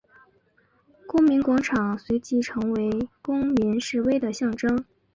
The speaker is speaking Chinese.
公民广场随即成为公民示威的象征。